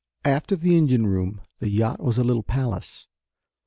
Aft of the engine room the yacht was a little palace.